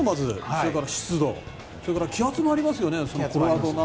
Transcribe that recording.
それから湿度気圧もありますよね。